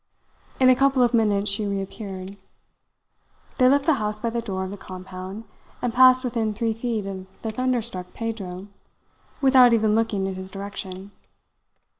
In a couple of minutes she reappeared. They left the house by the door of the compound, and passed within three feet of the thunderstruck Pedro, without even looking in his direction.